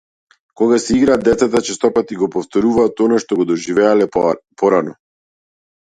Кога си играат, децата честопати го повторуваат она што го доживеале порано.